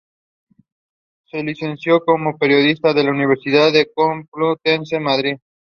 Se licenció como periodista en la Universidad Complutense de Madrid.